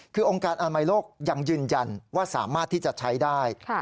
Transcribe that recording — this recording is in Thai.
คือองค์การอนามัยโลกยังยืนยันว่าสามารถที่จะใช้ได้